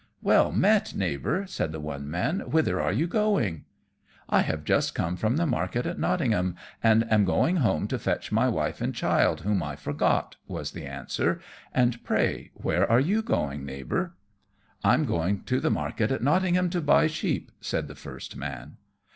"Well met, Neighbour," said the one man, "whither are you going?" "I have just come from the market at Nottingham, and am going home to fetch my wife and child, whom I forgot," was the answer; "and pray where are you going, Neighbour?" "I'm going to the market at Nottingham to buy sheep," said the first man.